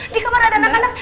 di kamar ada anak anak